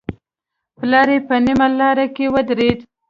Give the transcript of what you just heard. پلار يې په نيمه لاره کې ودرېد.